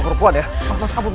berakhir sama perempuan ya